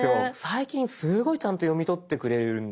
最近すごいちゃんと読み取ってくれるんで。